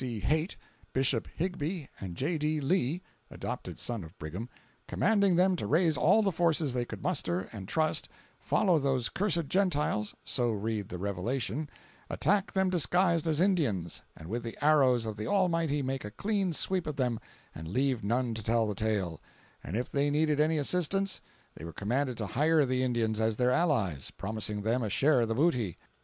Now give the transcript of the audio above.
C. Haight, Bishop Higbee and J. D. Lee (adopted son of Brigham), commanding them to raise all the forces they could muster and trust, follow those cursed Gentiles (so read the revelation), attack them disguised as Indians, and with the arrows of the Almighty make a clean sweep of them, and leave none to tell the tale; and if they needed any assistance they were commanded to hire the Indians as their allies, promising them a share of the booty.